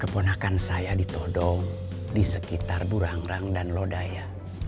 keponakan saya ditodong di sekitar burangrang dan lodaya